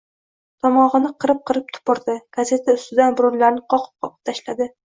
Tomog‘ini qirib-qirib tupurdi. Gazeta ustidan... burunlarini qoqib-qoqib tashladi.